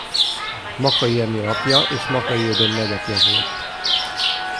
Makai Emil apja és Makai Ödön nagyapja volt.